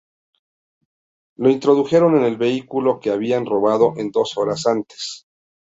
Lo introdujeron en el vehículo que habían robado dos horas antes.